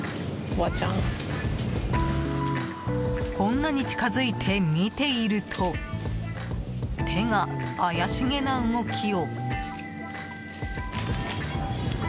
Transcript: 女に近づいて見ていると手が怪しげな動きを。